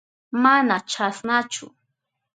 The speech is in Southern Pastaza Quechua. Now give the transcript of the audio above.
Mana chasnachu.